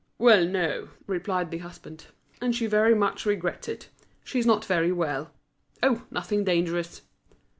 "Well, no," replied the husband, "and she very much regrets it. She's not very well. Oh! nothing dangerous!"